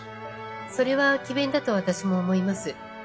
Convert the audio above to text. それは詭弁だと私も思います。